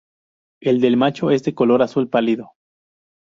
El del macho es de color azul pálido.